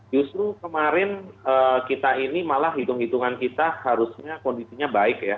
justru kemarin kita ini malah hitung hitungan kita harusnya kondisinya baik ya